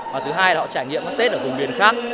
và thứ hai là họ trải nghiệm các tết ở cùng miền khác